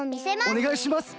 おねがいします！